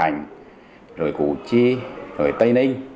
bành củ chi tây ninh